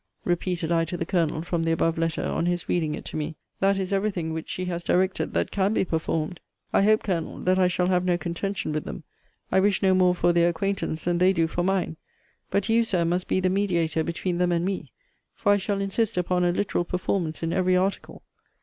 [repeated I to the Colonel from the above letter on his reading it to me;] that is every thing which she has directed, that can be performed. I hope, Colonel, that I shall have no contention with them. I wish no more for their acquaintance than they do for mine. But you, Sir, must be the mediator between them and me; for I shall insist upon a literal performance in every article.